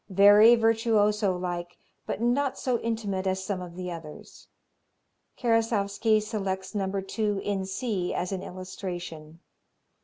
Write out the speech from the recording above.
Very virtuoso like, but not so intimate as some of the others. Karasowski selects No. 2 in C as an illustration.